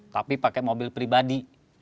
tapi pakai mobil pribadi